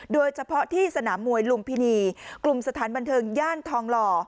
โดยเฉพาะที่สนามมวยลุมพินีกลุ่มสถานบันเทิงย่านทองหล่อ